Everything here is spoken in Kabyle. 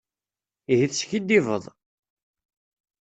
Ihi teskiddibeḍ!